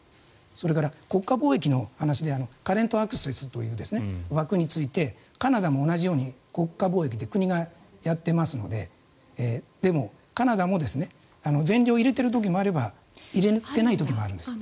それから国家貿易の話でカレントアクセスという枠についてカナダも同じように国家貿易で国がやっていますのででも、カナダも全量を入れてる時もあれば入れてない時もあるんです。